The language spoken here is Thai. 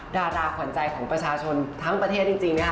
ดาราขวัญใจของประชาชนทั้งประเทศจริงนะคะ